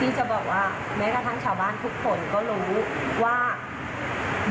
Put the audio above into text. จะบอกว่าแม้กระทั่งชาวบ้านทุกคนก็รู้ว่า